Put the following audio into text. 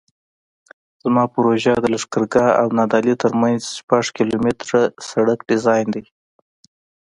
زما پروژه د لښکرګاه او نادعلي ترمنځ د شپږ کیلومتره سرک ډیزاین دی